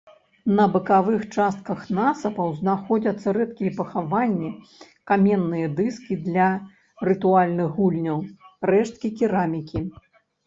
На бакавых частках насыпаў знаходзяць рэдкія пахаванні, каменныя дыскі для рытуальных гульняў, рэшткі керамікі.